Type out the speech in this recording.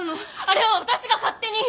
あれは私が勝手に。